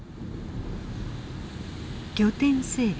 拠点整備